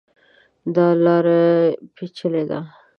دا لاره پېچلې ده.